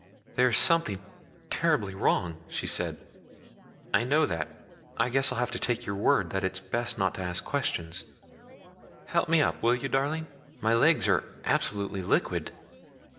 "There's something terribly wrong," she said. "I know that. I guess I'll have to take your word that it's best not to ask questions. Help me up, will you, darling? My legs are absolutely liquid."